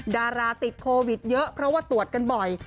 ดาราติดโควิดเยอะเพราะว่าตรวจกันบ่อย